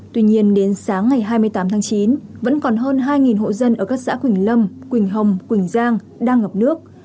tuy nhiên đến sáng ngày hai mươi tám tháng chín vẫn còn hơn hai hộ dân ở các xã quỳnh lâm quỳnh hồng quỳnh giang đang ngập nước